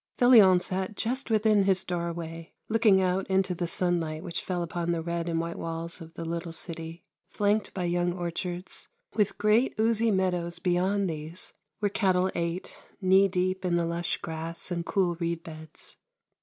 Felion sat just within his doorway, looking out into the sunlight which fell upon the red and white walls of the little city, flanked by young orchards, with great, oozy meadows beyond these, where cattle ate, knee deep in the lush grass and cool reed beds.